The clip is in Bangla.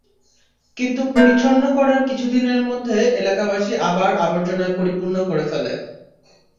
কিন্তু পরিচ্ছন্ন করার কিছুদিনের মধ্যে এলাকাবাসী আবার আবর্জনায় পরিপূর্ণ করে ফেলে।